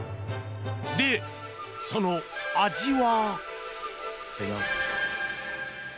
で、その味は？